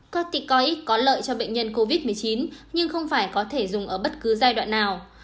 các tịch có ích có lợi cho bệnh nhân covid một mươi chín nhưng không phải có thể dùng ở bất cứ giai đoạn nào